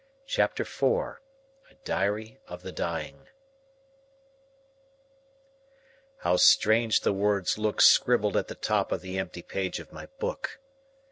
Chapter IV A DIARY OF THE DYING How strange the words look scribbled at the top of the empty page of my book!